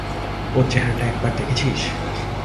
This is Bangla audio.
ওর চেহারাটা একবার দেখেছিস?